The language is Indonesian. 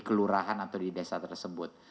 kelurahan atau di desa tersebut